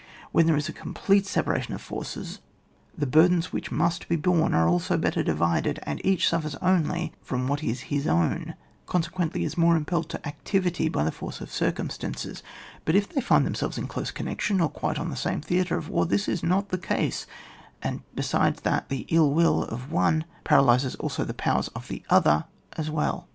When there is a complete separation of forces, the burdens which must be borne are also better divided, and each suffers only frt)m what is his own, consequently is more impelled to activity by the force of circumstances; but if they find themselves in close con nection, or quite on the same theatre of war, this is not the case, and besides that the ill will of one paralyses also the powers of the other as well.